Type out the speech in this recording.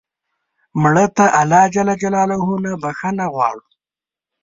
مړه ته الله ج نه بخښنه غواړو